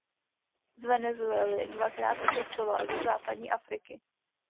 Z Venezuely dvakrát cestoval do západní Afriky.